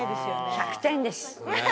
１００点です。